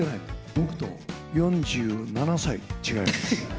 僕と４７歳違います。